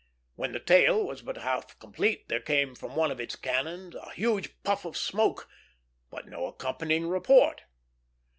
When the tale was but half complete there came from one of its cannon a huge puff of smoke, but no accompanying report.